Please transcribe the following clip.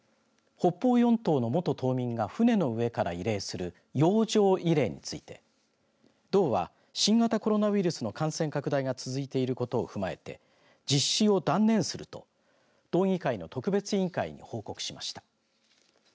北方四島の元島民が船の上から慰霊する洋上慰霊について道は新型コロナウイルスの感染拡大が続いていることを踏まえて実施を断念すると道議会の特別委員会に報告しました。